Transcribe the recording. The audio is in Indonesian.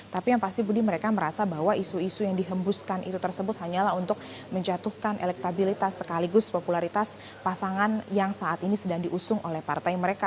tapi yang pasti budi mereka merasa bahwa isu isu yang dihembuskan itu tersebut hanyalah untuk menjatuhkan elektabilitas sekaligus popularitas pasangan yang saat ini sedang diusung oleh partai mereka